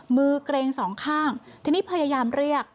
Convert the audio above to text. เกรงสองข้างทีนี้พยายามเรียก